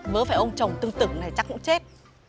nhớ phải ông chồng tương tự này chắc cũng chết